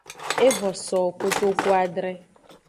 Evo sowo kotuadre.